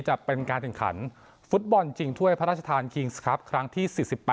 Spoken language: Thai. จะเป็นการถึงขันฟุตบอลถุ่ยพระราชธานครั้งที่๔๘